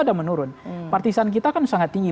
ada menurun partisan kita kan sangat tinggi